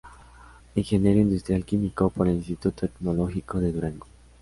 Ingeniero Industrial Químico por el Instituto Tecnológico de Durango.